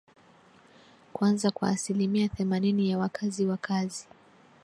kwanza kwa asilimia themanini ya wakazi Wakazi